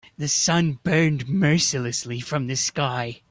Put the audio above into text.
The sun burned mercilessly from the sky.